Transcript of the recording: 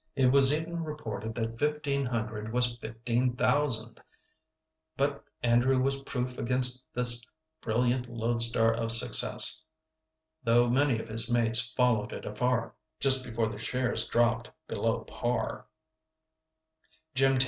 It was even reported that fifteen hundred was fifteen thousand, but Andrew was proof against this brilliant loadstar of success, though many of his mates followed it afar, just before the shares dropped below par.